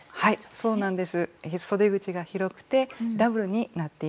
そうなんです。